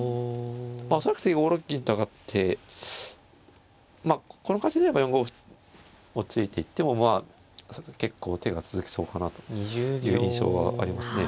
まあ恐らく次５六銀と上がってこの形であれば４五歩突いていっても結構手が続きそうかなという印象がありますね。